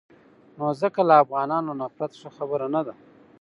نو ځکه له افغانانو نفرت ښه خبره نه ده.